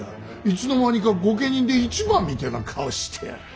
いつの間にか御家人で一番みてえな顔して。